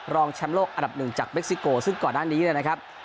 รองแชมโลอัดับหนึ่งจากเม็กซิโกซึ่งก่อนด้านนี้นะครับ